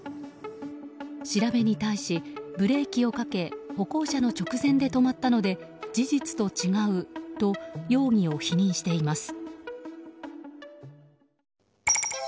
調べに対し、ブレーキをかけ歩行者の直前で止まったので事実と違うと容疑を否認しています。